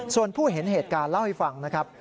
ส่วนผู้เห็นเหตุการณ์เล่าให้ฟังนะครับ